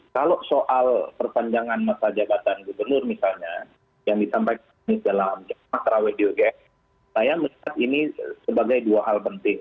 kalau soal perpanjangan masa jabatan gubernur misalnya yang ditampilkan di dalam jemaah travedioges saya menyebut ini sebagai dua hal penting